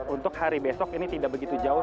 untuk hari besok ini tidak begitu jauh